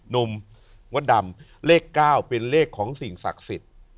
หนุ่มมดดำเลข๙เป็นเลขของสิ่งศักดิ์สิทธิ์